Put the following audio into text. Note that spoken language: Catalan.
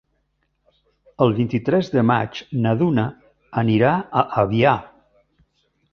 El vint-i-tres de maig na Duna anirà a Avià.